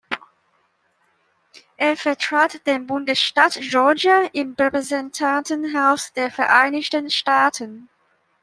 Er vertrat den Bundesstaat Georgia im Repräsentantenhaus der Vereinigten Staaten.